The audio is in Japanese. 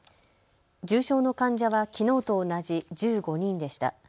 重症の患者はきのうと同じ１５人でした。